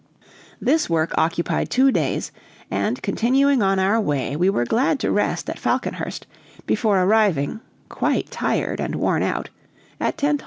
This work occupied two days, and continuing on our way, we were glad to rest at Falconhurst before arriving (quite tired and worn out) at Tentholm.